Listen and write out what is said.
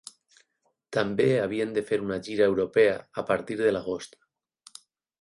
També havien de fer una gira europea a partir de l'agost.